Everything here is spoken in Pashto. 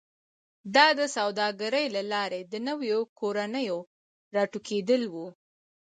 دا د سوداګرۍ له لارې د نویو کورنیو راټوکېدل و